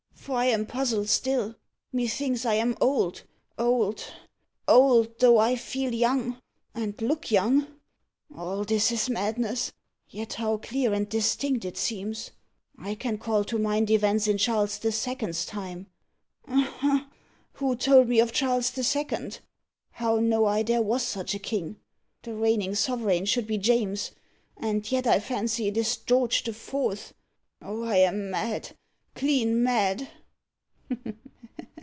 for I am puzzled still. Methinks I am old old old though I feel young, and look young. All this is madness. Yet how clear and distinct it seems! I can call to mind events in Charles the Second's time. Ha! who told me of Charles the Second? How know I there was such a king? The reigning sovereign should be James, and yet I fancy it is George the Fourth. Oh! I am mad clean mad!"